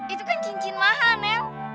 itu kan cincin mahal ya